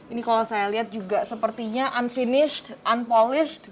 ini kalau saya lihat juga sepertinya unfinished unpolished